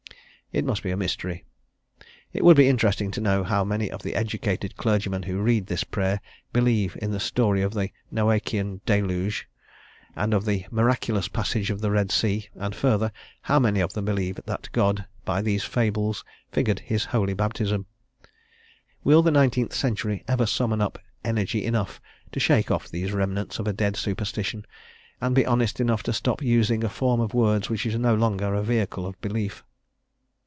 It must be a mystery. It would be interesting to know how many of the educated clergymen who read this prayer believe in the story of the Noachian deluge, and of the miraculous passage of the Red Sea; and further, how many of them believe that God, by these fables, figured his holy baptism. Will the nineteenth century ever summon up energy enough to shake off these remnants of a dead superstition, and be honest enough to stop using a form of words which is no longer a vehicle of belief?